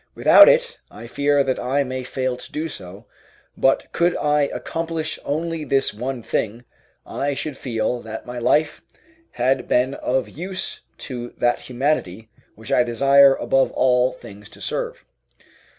Without it I fear that I may fail to do so; but could I accomplish only this one thing, I should feel that my life had been of use to that humanity which I desire above all things to serve.